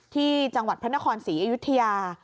ที่จังหวัดพระนครศรีอยุธยา